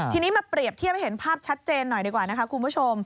ทีนี้มาเปรียบเทียบให้เห็นภาพชัดเจนหน่อยดีกว่านะคะคุณผู้ชม